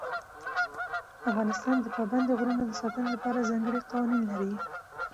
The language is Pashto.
افغانستان د پابندي غرونو د ساتنې لپاره ځانګړي قوانین لري.